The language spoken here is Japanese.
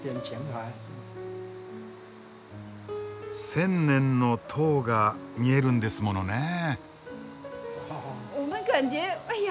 千年の塔が見えるんですものねえ。